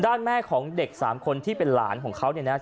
แม่ของเด็ก๓คนที่เป็นหลานของเขาเนี่ยนะ